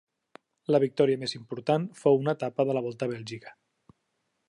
La victòria més important fou una etapa de la Volta a Bèlgica.